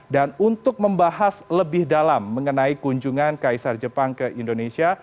dan untuk membahas lebih dalam mengenai kunjungan kaisar jepang ke indonesia